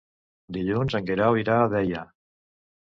Dilluns en Guerau irà a Deià.